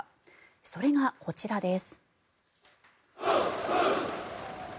それがこちらです。